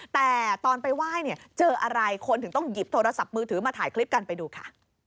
แต่ตอนไปไหว้เนี่ยเจออะไรคนถึงต้องหยิบโทรศัพท์มือถือมาถ่ายคลิปกันไปดูค่ะ